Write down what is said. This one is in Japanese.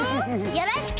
よろしく！